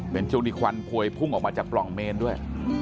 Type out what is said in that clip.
เห็นโจริควันพวยพุ่งออกมาจากปล่องเมนด้วย